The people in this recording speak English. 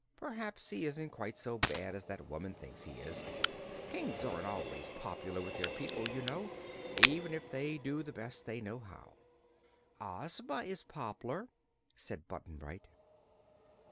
Perhaps he isn't quite so bad as that woman thinks he is. Kings aren't always popular with their people, you know, even if they do the best they know how." "Ozma is pop'lar," said Button Bright.